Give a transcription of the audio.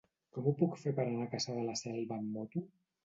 Com ho puc fer per anar a Cassà de la Selva amb moto?